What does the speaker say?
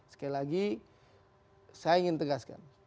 sekali lagi saya ingin tegaskan